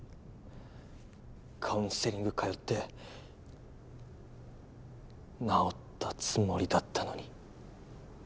カウンセリング通って治ったつもりだったのに。